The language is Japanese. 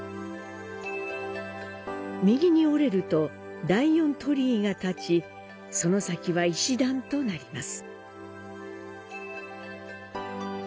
右に折れると「第四鳥居」が建ち、その先は石段となります。